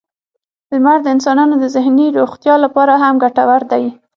• لمر د انسانانو د ذهني روغتیا لپاره هم ګټور دی.